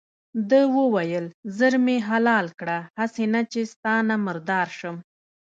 ده وویل ژر مې حلال کړه هسې نه چې ستا نه مردار شم.